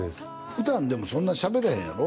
普段でもそんなしゃべらへんやろ？